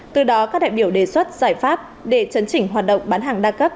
từ đó các đại biểu đề xuất giải pháp để chấn chỉnh hoạt động bán hàng đa cấp